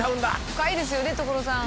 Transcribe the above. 深いですよね所さん。